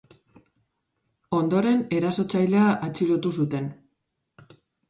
Ondoren erasotzailea atxilotu zuten.